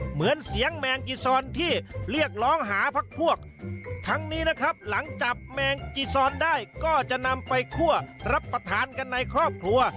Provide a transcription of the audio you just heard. เหมือนเสียงแมงจีซอนที่เรียกร้องหาพักพวกทั้งนี้นะครับหลังจับแมงจีซอนได้ก็จะนำไปคั่วรับประทานกันในครอบครัว